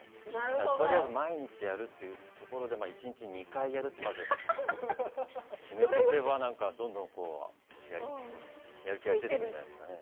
とりあえず毎日やるというところで一日２回やると、まず決めておけばどんどんやる気が出てくるんじゃないですかね。